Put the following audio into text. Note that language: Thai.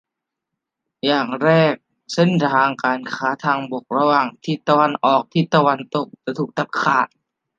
อย่างแรก เส้นทางการค้าทางบกระหว่างทิศตะวันออกกับตะวันตกถูกตัดขาด